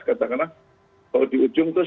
kadang kadang kalau di ujung itu